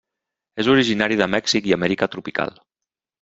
És originari de Mèxic i Amèrica tropical.